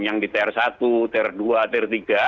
yang di tr satu tr dua tr tiga